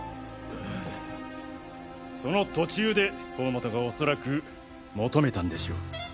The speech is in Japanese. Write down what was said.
その途中で甲本がおそらく求めたんでしょう。